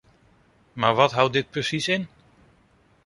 Maar wat houdt dit precies in?